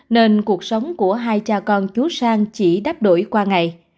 nên cuộc sống của hai cha con chú sang chỉ đáp đổi qua ngày